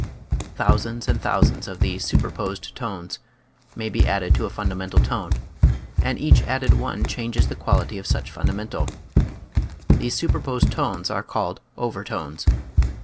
Thousands and thousands of these superposed tones may be added to a fun damental tone, and each added one changes the quality of such fundamental. These super posed tones are called overtones.